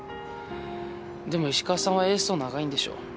でも石川さんはエースと長いんでしょ？